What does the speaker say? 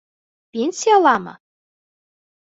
Пенсияламы?